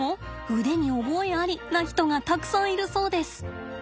「腕に覚えあり」な人がたくさんいるそうです。